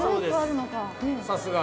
さすが。